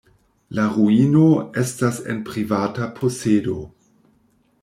La ruino estas en privata posedo.